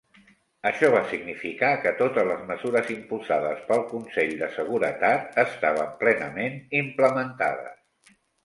Això va significar que totes les mesures imposades pel Consell de Seguretat estaven plenament implementades.